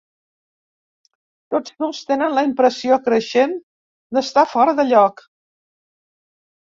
Tots dos tenen la impressió creixent d'estar fora de lloc.